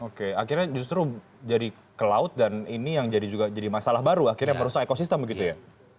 oke akhirnya justru jadi ke laut dan menjadi masalah baru karena merusak ekosistem ya